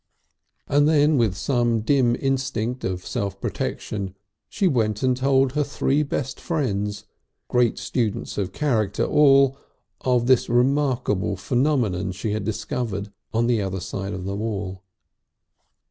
And then with some dim instinct of self protection, she went and told her three best friends, great students of character all, of this remarkable phenomenon she had discovered on the other side of the wall.